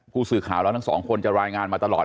ผู้สื่อข่าวเราทั้งสองคนจะรายงานมาตลอด